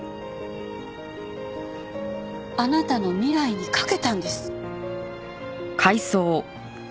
あなたの未来に懸けたんです。